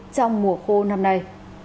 trong mùa khô năm nay